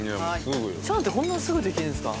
チャーハンってこんなすぐできるんですか？